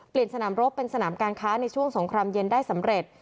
สนามรบเป็นสนามการค้าในช่วงสงครามเย็นได้สำเร็จ